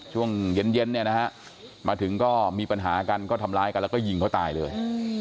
ช่วงเย็นเนี่ยนะฮะมาถึงก็มีปัญหากันก็ทำร้ายกันแล้วก็ยิงเขาตายเลย